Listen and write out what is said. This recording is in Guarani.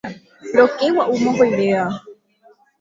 Rokegua'u mokõivéva.